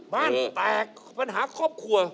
บ้านแตกปัญหาครอบครัว